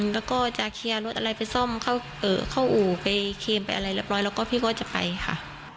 แล้วก็จะเคลียร์รถอะไรไปซ่อมเข้าอู่ไปเคมไปอะไรเรียบร้อยแล้วก็พี่ก็จะไปค่ะ